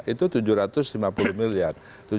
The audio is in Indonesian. itu tujuh ratus lima puluh miliar